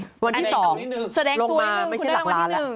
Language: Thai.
วันที่๒ลงมาไม่ใช่หลักล้านแล้ว